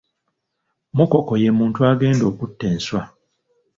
Mukoko ye muntu agenda okutta enswa.